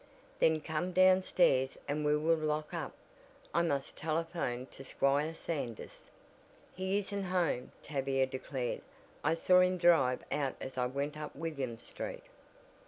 "Then come down stairs and we will lock up. I must telephone to Squire Sanders." "He isn't home," Tavia declared. "I saw him drive out as I went up William Street."